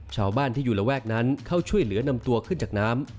ชาวบ้านที่อยู่ระแวกนั้นเข้าช่วยเหลือนำตัวขึ้นจากน้ำ